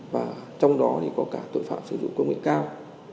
và trong đó thì có cả tội phạm sử dụng công nghệ cao